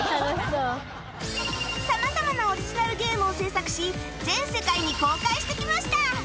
様々なオリジナルゲームを制作し全世界に公開してきました